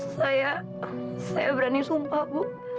saya saya berani sumpah bu